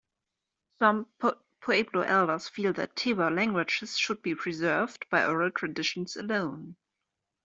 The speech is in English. Some Pueblo elders feel that Tewa languages should be preserved by oral traditions alone.